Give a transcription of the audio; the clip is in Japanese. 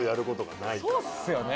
そうですよね。